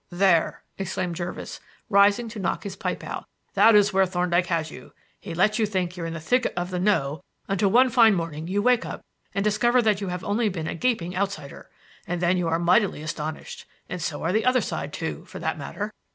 "There!" exclaimed Jervis, rising to knock his pipe out, "that is where Thorndyke has you. He lets you think you're in the thick of the 'know' until one fine morning you wake up and discover that you have only been a gaping outsider; and then you are mightily astonished and so are the other side, too, for that matter.